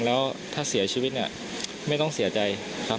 แล้วถ้าเสียชีวิตเนี่ยไม่ต้องเสียใจครับ